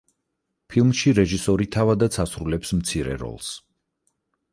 ფილმში რეჟისორი თავადაც ასრულებს მცირე როლს.